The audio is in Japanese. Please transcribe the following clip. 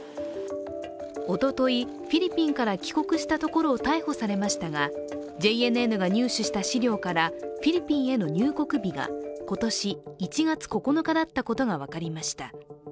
おととい、フィリピンから帰国したところを逮捕されましたが、ＪＮＮが入手した資料から、フィリピンへの入国日が今年１月９日だったことが分かりました。